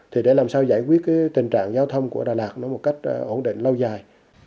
thì để làm sao giải quyết tình trạng giao thông của đà lạt nó một cách ổn định lâu dài